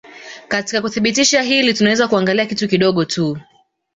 Katika kuthibitisha hili tunaweza kuangalia kitu kidogo tu